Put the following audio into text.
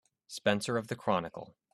Spencer of the Chronicle.